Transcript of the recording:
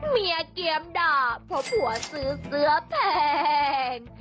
เมียเกียมด่าเพราะผัวซื้อเสื้อแทง